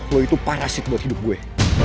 lo itu parasit buat hidup gue